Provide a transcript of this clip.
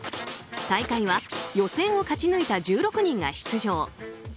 大会は予選を勝ち抜いた１６人が出場。